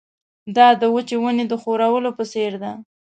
دا د وچې ونې د ښورولو په څېر ده.